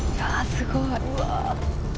すごい。